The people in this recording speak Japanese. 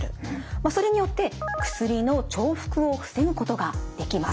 それによって薬の重複を防ぐことができます。